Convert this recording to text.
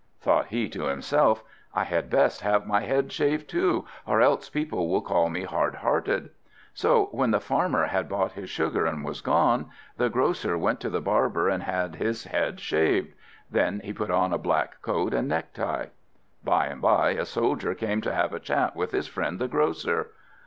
Thought he to himself, "I had best have my head shaved too, or else people will call me hard hearted." So when the Farmer had bought his sugar, and was gone, the Grocer went to the Barber and had his head shaved. Then he put on a black coat and necktie. By and by a Soldier came to have a chat with his friend the Grocer.